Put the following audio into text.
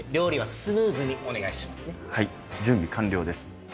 はい準備完了です。